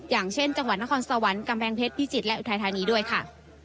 อย่างเช่นจังหวัดนครสวรรค์กำแพงเพชรพิจิตรและอุทัยธานีด้วยค่ะ